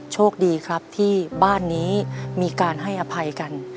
โชคดีครับที่บ้านนี้มีการให้อภัยกัน